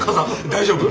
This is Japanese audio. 大丈夫。